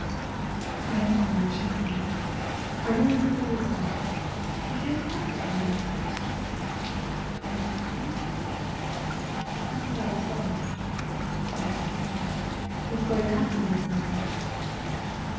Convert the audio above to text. "I know," she said, "I know perfectly well—but I can't help the way I'm built.... Are you going?" He put on his gloves. "Well," he said, "what's going to happen to us now?"